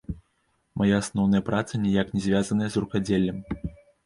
Мая асноўная праца ніяк не звязаная з рукадзеллем.